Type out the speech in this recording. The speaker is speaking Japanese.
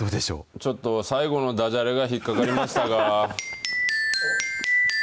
ちょっと最後のだじゃれが引っ掛かりましたが。